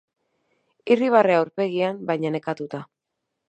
Irribarrea aurpegian, baina nekatuta.